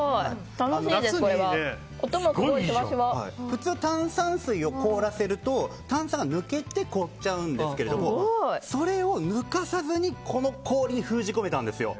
普通、炭酸水を凍らせると炭酸が抜けて凍るんですがそれを抜かさずにこの氷に封じ込めたんですよ。